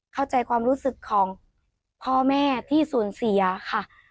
เข้าใจความรู้สึกของพ่อแม่ที่สูญเสียค่ะ